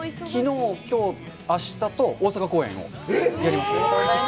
きのう、きょう、あしたと、大阪公演をやります。